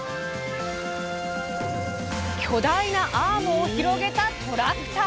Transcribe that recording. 巨大なアームを広げたトラクター！